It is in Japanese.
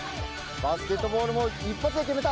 バスケットボールも一発で決めた。